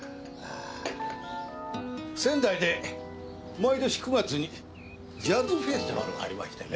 仙台で毎年９月にジャズ・フェスティバルがありましてね。